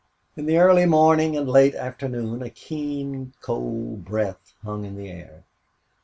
In the early morning and late afternoon a keen cold breath hung in the air.